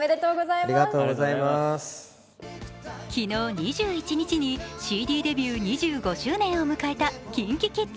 昨日２１日にＣＤデビュー２５周年を迎えたＫｉｎＫｉＫｉｄｓ。